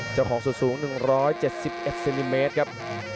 เจ้าของสูตรสูง๑๗๑ซินิเมตรครับ